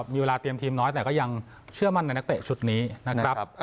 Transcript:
มีเวลาเตรียมทีมน้อยแต่ก็ยังเชื่อมั่นในนักเตะชุดนี้นะครับ